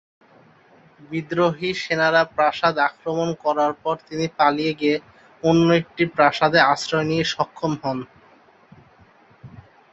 বিদ্রোহী সেনারা প্রাসাদ আক্রমণ করার পর তিনি পালিয়ে গিয়ে অন্য একটি প্রাসাদে আশ্রয় নিয়ে সক্ষম হন।